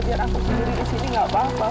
biar aku sendiri di sini gak apa apa